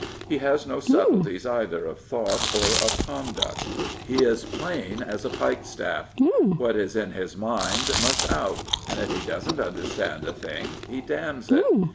He has no subtleties either of thought or of conduct. He is plain as a pike staff.) What is in his mind must out, and if he doesn't understand a thing he damns it.